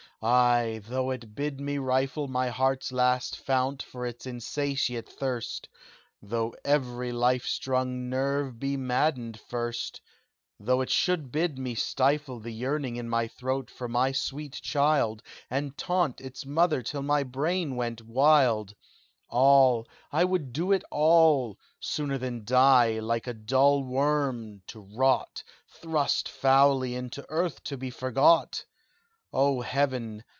"Ay though it bid me rifle My heart's last fount for its insatiate thirst Though every life strung nerve be maddened first Though it should bid me stifle The yearning in my throat for my sweet child, And taunt its mother till my brain went wild "All I would do it all Sooner than die, like a dull worm, to rot, Thrust foully into earth to be forgot! Oh heaven!